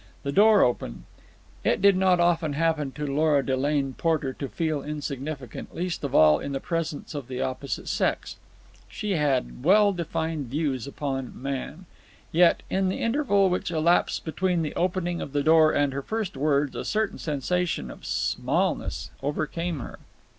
The door opened. It did not often happen to Lora Delane Porter to feel insignificant, least of all in the presence of the opposite sex. She had well defined views upon man. Yet, in the interval which elapsed between the opening of the door and her first words, a certain sensation of smallness overcame her.